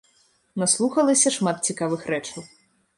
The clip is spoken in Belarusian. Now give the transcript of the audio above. Наслухалася шмат цікавых рэчаў.